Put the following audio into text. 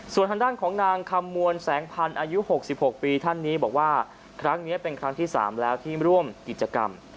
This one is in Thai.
ส่วนทางด้านของนางคำมวลแสงพันธุ์อายุ๖๖ปีท่านนี้บอกว่าครั้งนี้เป็นครั้งที่๓แล้วที่ร่วมกิจกรรม